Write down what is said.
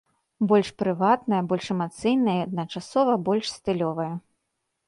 Больш прыватная, больш эмацыйная і адначасова больш стылёвая.